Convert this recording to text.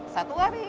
satu hari aja